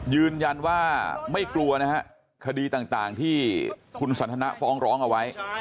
ยืนยันว่าไม่กลัวนะฮะคดีต่างที่คุณสันทนะฟ้องร้องเอาไว้